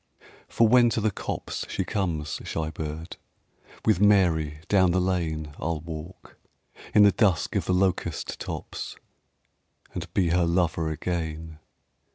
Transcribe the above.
For when to the copse she comes, shy bird, With Mary down the lane I'll walk, in the dusk of the locust tops, And be her lover again.